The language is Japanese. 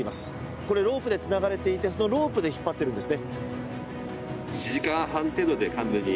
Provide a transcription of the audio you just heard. これ、ロープでつながれていてそのロープで引っ張っているんですね。